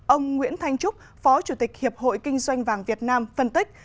ông nguyễn thanh trúc phó chủ tịch hiệp hội kinh doanh vàng việt nam phân tích